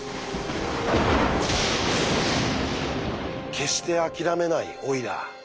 決して諦めないオイラー。